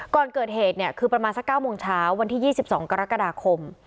ก่อนเกิดเหตุเนี่ยคือประมาณสัก๙โมงเช้าวันที่๒๒กรกฎาคม